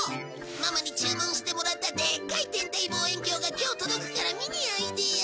ママに注文してもらったでっかい天体望遠鏡が今日届くから見においでよ。